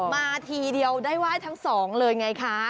มาทีเดียวได้ไหว้ทั้งสองเลยไงคะ